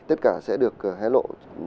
tất cả sẽ được hé lộ